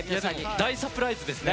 大サプライズですね。